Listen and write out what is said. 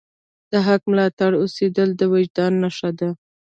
د حق ملاتړی اوسیدل د وجدان نښه ده.